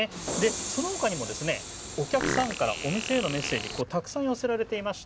その他にもお客さんからお店にメッセージたくさん寄せられています。